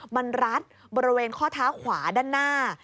มันรัดบริเวณข้อเท้าขวาด้านหน้า